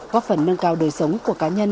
góp phần nâng cao đời sống của cá nhân gia đình